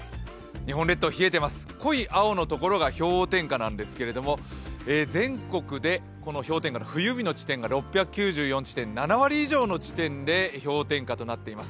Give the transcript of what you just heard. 日本列島、冷えています、濃い青のところが氷点下なんですけれども、全国で冬日の地点が６９４地点、７割以上の地点で氷点下となっています。